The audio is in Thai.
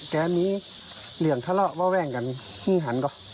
แกมีเหลืองทะเลาะว่าแว่งกันหึ้งหันก็